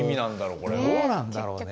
どうなんだろうね。